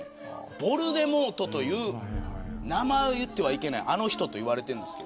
ヴォルデモートという名前を言ってはいけないあの人と言われています。